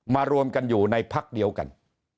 รวมกันอยู่ในพักเดียวกัน